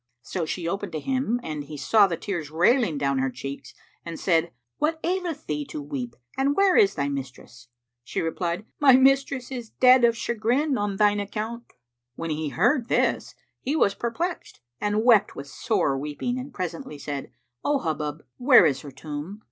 So she opened to him and he saw the tears railing down her cheeks and said, "What aileth thee to weep and where is thy mistress?" She replied, "My mistress is dead of chagrin on thine account." When he heard this, he was perplexed and wept with sore weeping and presently said, "O Hubub, where is her tomb?"